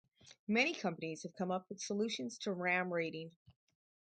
Many companies have come up with solutions to ram-raiding.